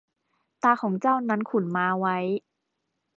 ตาของเจ้าของนั้นขุนม้าไว้